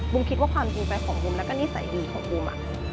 บุ๋มคิดว่าความจริงใดของบุ๋มแล้วก็นิสัยดีของบุ๋ม